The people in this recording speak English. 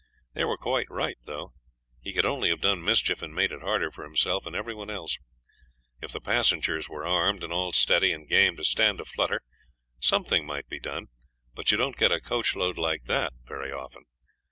They were quite right, though; he could only have done mischief and made it harder for himself and every one else. If the passengers were armed, and all steady and game to stand a flutter, something might be done, but you don't get a coach load like that very often.